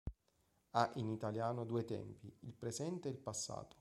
Ha in italiano due tempi, il presente e il passato.